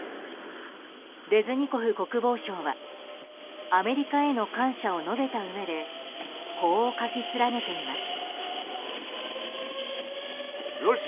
レズニコフ国防相はアメリカへの感謝を述べたうえでこう書き連ねています。